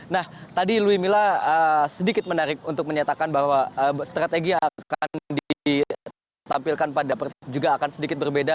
nah tadi louis mila sedikit menarik untuk menyatakan bahwa strategi yang akan ditampilkan pada pertandingan juga akan sedikit berbeda